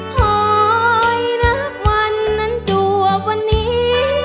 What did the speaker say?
คอยนับวันนั้นจวบวันนี้